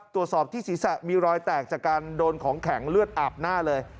ตรวจสอบที่ศีรษะมีรอยแตกจากการโดนของแข็งเลือดอาบหน้าเลย